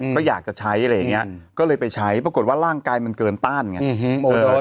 ก็อยากจะใช้อะไรอย่างเงี้ยก็เลยไปใช้ปรากฏว่าร่างกายมันเกินต้านไง